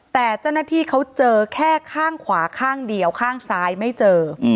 แต่เจ้าหน้าที่เขาเจอแค่ข้างขวาข้างเดียวข้างซ้ายไม่เจอ